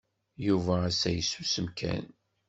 Yuba assa yessusem kan.